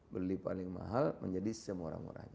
beli paling mahal menjadi seorang murah